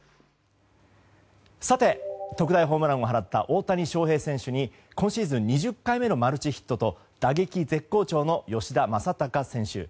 特大ホームランを放った大谷翔平選手に今シーズン２０回目のマルチヒットと打撃絶好調の吉田正尚選手。